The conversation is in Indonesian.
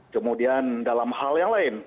kemudian dalam hal yang lain